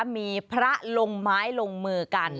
มีพระลงไม้ลงมือกัน